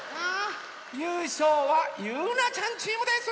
ゆうしょうはゆうなちゃんチームです！